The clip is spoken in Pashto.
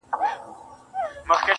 • ته مي يو ځلي گلي ياد ته راوړه.